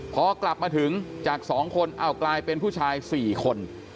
พอกลับมาถึงจาก๒คนกลายเป็นผู้ชาย๔คน